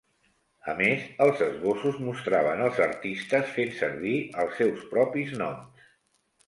A més, els esbossos mostraven els artistes fent servir els seus propis noms.